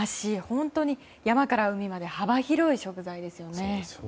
本当に山から海まで幅広い食材ですよね。